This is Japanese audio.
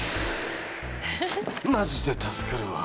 マジで助かるわ。